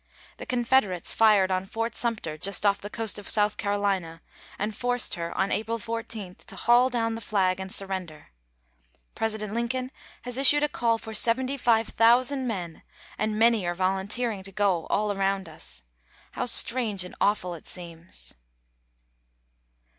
The Confederates fired on Fort Sumter, just off the coast of South Carolina, and forced her on April 14 to haul down the flag and surrender. President Lincoln has issued a call for 75,000 men and many are volunteering to go all around us. How strange and awful it seems.